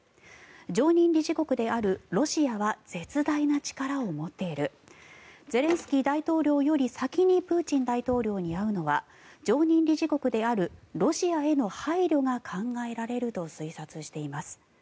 常任理事国であるロシアは絶大な力を持っているゼレンスキー大統領より先にプーチン大統領に会うのは常任理事国であるロシアへの配慮が考えられると推察しています。